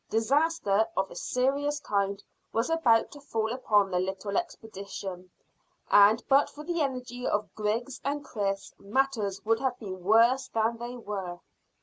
Disaster of a serious kind was about to fall upon the little expedition, and but for the energy of Griggs and Chris matters would have been worse than they were.